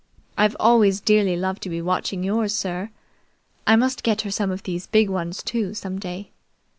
"I've always dearly loved to be watching yours, sir. I must get her some of these big ones, too, some day.